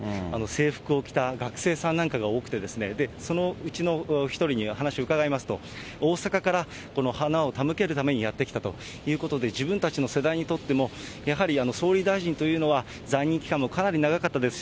制服を着た学生さんなんかが多くてですね、そのうちの１人にお話伺いますと、大阪からこの花を手向けるためにやって来たということで、自分たちの世代にとっても、やはり総理大臣というのは在任期間もかなり長かったです、